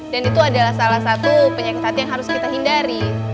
dan itu adalah salah satu penyakit hati yang harus kita hindari